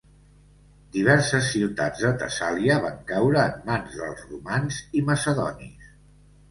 Diverses ciutats de Tessàlia van caure en mans dels romans i macedonis.